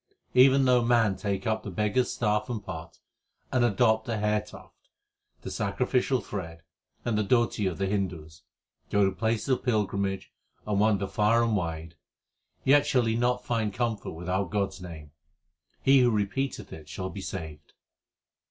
Even though man take up the beggar s staff and pot, and adopt the hair tuft, the sacrificial thread, and the dhoti of the Hindus, go to places of pilgrimage, and wander far and wide, Yet shall he not find comfort without God s name ; he who repeateth it shall be saved.